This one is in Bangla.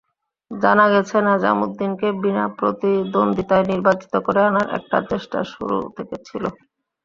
জানা গেছে, নেজামুদ্দিনকে বিনা প্রতিদ্বন্দ্বিতায় নির্বাচিত করে আনার একটা চেষ্টা শুরু থেকে ছিল।